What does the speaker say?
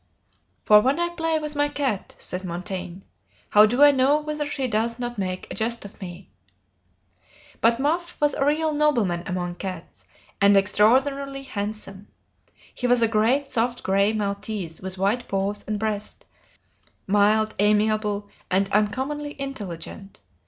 "For when I play with my cat," says Montaigne, "how do I know whether she does not make a jest of me?" But Muff was a real nobleman among cats, and extraordinarily handsome. He was a great soft gray maltese with white paws and breast mild, amiable, and uncommonly intelligent.